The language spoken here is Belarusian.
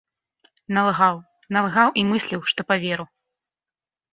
Налгаў, налгаў і мысліў, што паверу.